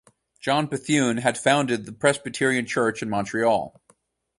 John Bethune had founded the Presbyterian Church in Montreal.